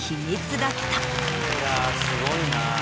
すごいな。